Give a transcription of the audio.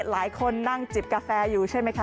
หลายคนนั่งจิบกาแฟอยู่ใช่ไหมคะ